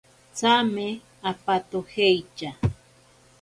Tsame apatojeitya.